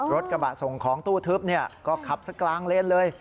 กระบะส่งของตู้ทึบก็ขับสักกลางเลนเลย